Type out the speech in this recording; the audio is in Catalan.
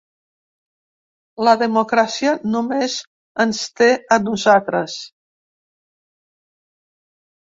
La democràcia només ens té a nosaltres.